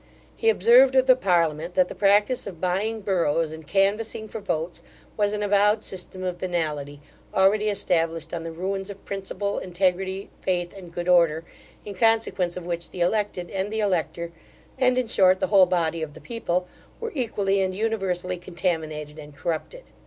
He observed of the parliament, that the practice of buying boroughs, and canvassing for votes, was an avowed system of venality, already established on the ruins of principle, integrity, faith, and good order, in consequence of which the elected and the elector, and, in short, the whole body of the people, were equally and universally contaminated and corrupted.